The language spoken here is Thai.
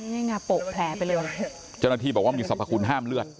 นี่ไงโปะแผลไปเลยเจ้าหน้าที่บอกว่ามีสรรพคุณห้ามเลือด